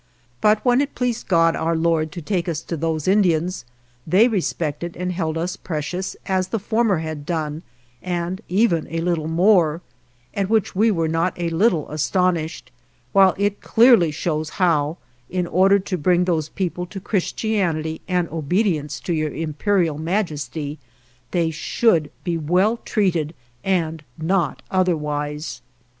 But when it pleased God our Lord to take us to those Indians, they respected and held us precious, as the former had done, and even a little more, at which we were not a little astonished, while it clearly shows how, in order to bring those people to Christianity and obedience unto Your Imperial Majesty, they should be well treated, and not otherwise.